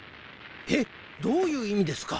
えっどういういみですか？